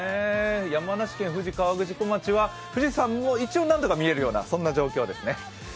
山梨県富士河口湖町は富士山が何とか見えるような状況ですね。